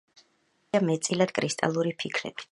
აგებულია მეტწილად კრისტალური ფიქლებით.